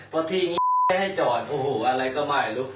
พอทีนี้ให้จอดโอ้โหอะไรก็ไม่รู้